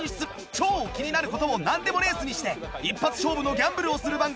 超気になる事をなんでもレースにして一発勝負のギャンブルをする番組『＃